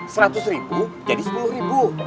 seratus ribu jadi sepuluh ribu